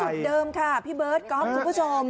เดิมค่ะพี่เบิร์ตก๊อฟคุณผู้ชม